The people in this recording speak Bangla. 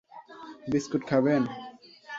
বিস্কুট খাবেন?